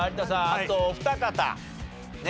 あとお二方ね